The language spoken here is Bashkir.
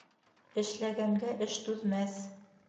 Эшләгәнгә эш түҙмәҫ.